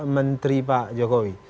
menteri pak jokowi